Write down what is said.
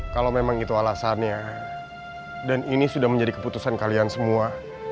kalau memang itu alasannya dan ini sudah menjadi keputusan kalian semua